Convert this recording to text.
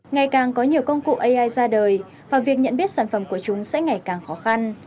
ngày càng có nhiều công cụ ai ra đời và việc nhận biết sản phẩm của chúng sẽ ngày càng khó khăn